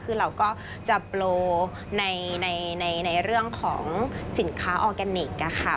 คือเราก็จะโปรในเรื่องของสินค้าออร์แกนิคค่ะ